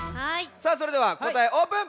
さあそれではこたえオープン！